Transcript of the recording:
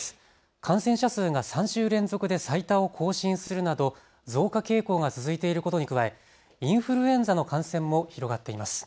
感染者数が３週連続で最多を更新するなど増加傾向が続いていることに加えインフルエンザの感染も広がっています。